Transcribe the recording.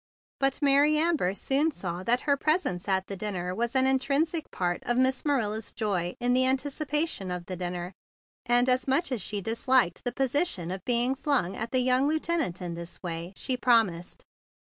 But Mary Amber soon saw that her presence at that dinner was an intrinsic part of Miss Manila's joy in the anticipation of the dinner; and, much as she disliked the position of being flung at the young lieutenant in this way, she promised.